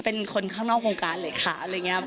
เป็นคนข้างนอกวงการเลยค่ะอะไรอย่างนี้